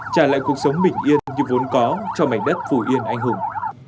trả lại cuộc sống bình yên như vốn có cho mảnh đất phù yên anh hùng